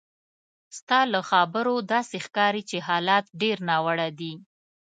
ستا له خبرو داسې ښکاري چې حالات ډېر ناوړه دي.